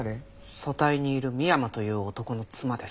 組対にいる深山という男の妻です。